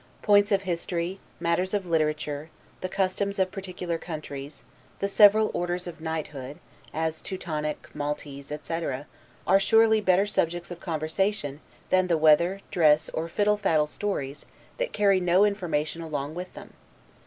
Points of history, matters of literature, the customs of particular countries, the several orders of knighthood, as Teutonic, Maltese, etc., are surely better subjects of conversation, than the weather, dress, or fiddle faddle stories, that carry no information along with them.